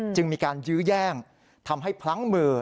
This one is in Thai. จึงมีการยื้อแย่งทำให้พลั้งมือ